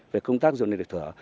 về công tác dồn điền đổi thửa